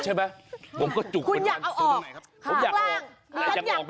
ใช่ไหมผมก็จุกคุณอยากเอาออกผมอยากเอาออก